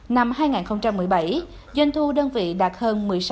năm hai nghìn một mươi bảy doanh thu đơn vị đạt thương hiệu quốc gia